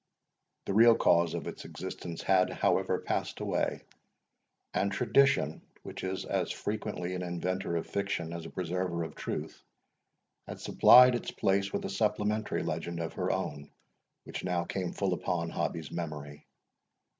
The real cause of its existence had, however, passed away; and tradition, which is as frequently an inventor of fiction as a preserver of truth, had supplied its place with a supplementary legend of her own, which now came full upon Hobbie's memory.